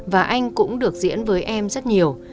và anh cũng được diễn với em rất nhiều